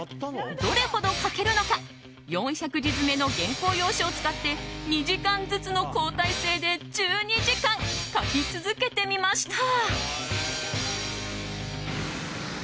どれほど書けるのか４００字詰めの原稿用紙を使って２時間ずつの交代制で１２時間、書き続けてみました。